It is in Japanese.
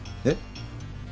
えっ？